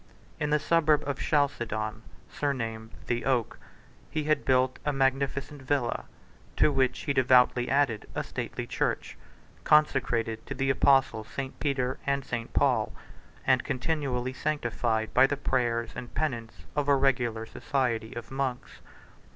In the suburb of Chalcedon, surnamed the Oak, he had built a magnificent villa; to which he devoutly added a stately church, consecrated to the apostles St. Peter and St. Paul, and continually sanctified by the prayers and penance of a regular society of monks.